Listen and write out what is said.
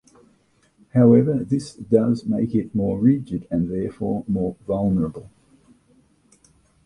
However, this does make it more rigid and therefore more vulnerable.